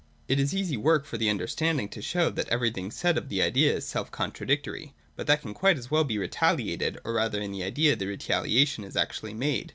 It is easy work for the understanding to show that everything said of the Idea is self contradictory. But that can quite as well be retaliated, or rather in the Idea the retaliation is actually made.